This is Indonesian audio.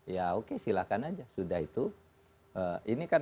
ya oke silahkan aja sudah itu ini kan